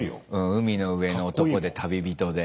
海の上の男で旅人で。